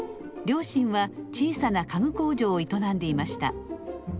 両親は小さな家具工場を営んでいました。